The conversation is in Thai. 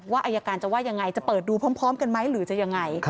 อายการจะว่ายังไงจะเปิดดูพร้อมกันไหมหรือจะยังไง